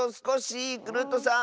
クルットさん